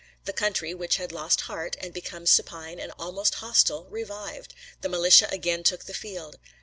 The country, which had lost heart, and become supine and almost hostile, revived. The militia again took the field.